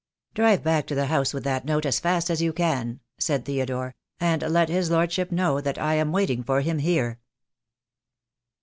"Drive back to the house with that note as fast as you can," said Theodore, "and let his lordship know that I am waiting for him here."